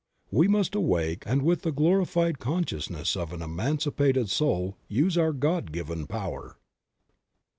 We must awake and with the glorified consciousness of an emancipated soul use our God given power.